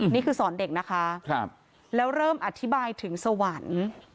นี่คือสอนเด็กนะคะแล้วเริ่มอธิบายถึงสวรรค์